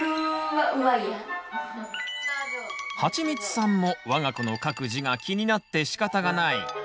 はちみつさんもわが子の書く字が気になってしかたがない。